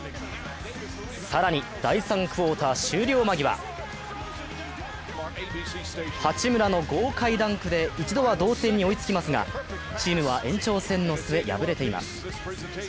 更に第３クオーター終了間際八村の豪快ダンクで一度は同点に追いつきますがチームは延長戦の末敗れています。